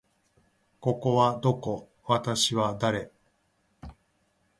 ここはどこ？私は誰？